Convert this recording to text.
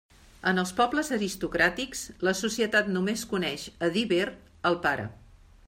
En els pobles aristocràtics, la societat només coneix, a dir ver, el pare.